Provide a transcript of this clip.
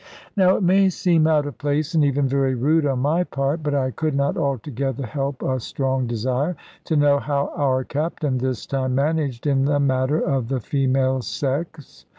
Now it may seem out of place, and even very rude on my part; but I could not altogether help a strong desire to know how our Captain this time managed in the matter of the female sex.